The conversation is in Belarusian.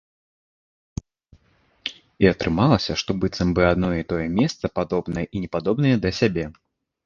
І атрымалася, што быццам бы адно і тое месца падобнае і непадобнае да сябе.